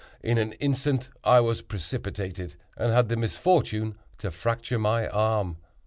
In an instant I was precipitated and had the misfortune to fracture my arm.